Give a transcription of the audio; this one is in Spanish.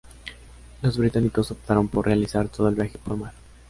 Los británicos optaron por realizar todo el viaje por mar.